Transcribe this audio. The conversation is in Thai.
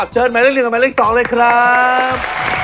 เชิญหมายเลข๑กับหมายเลข๒เลยครับ